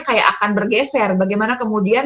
kayak akan bergeser bagaimana kemudian